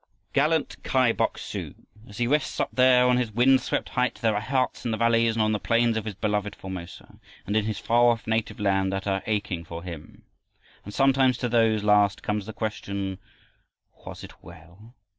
Gallant Kai Bok su! As he rests up there on his wind swept height, there are hearts in the valleys and on the plains of his beloved Formosa and in his far off native land that are aching for him. And sometimes to these last comes the question "Was it well?"